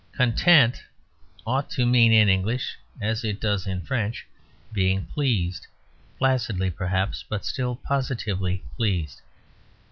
"Content" ought to mean in English, as it does in French, being pleased; placidly, perhaps, but still positively pleased.